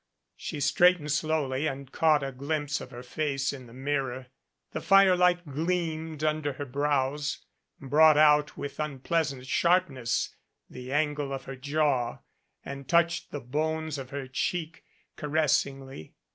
She straightened slowly and caught a glimpse of her face in the mirror. The firelight gleamed under her brows, brought out with unpleasant sharpness the angle of her jaw and touched the bones of her cheek caressingly.